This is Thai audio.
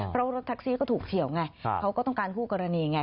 เพราะรถแท็กซี่ก็ถูกเฉียวไงเขาก็ต้องการคู่กรณีไง